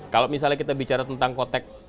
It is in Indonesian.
kalau misalnya kita bicara tentang kotak